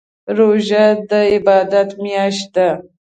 روژه دي عبادات میاشت ده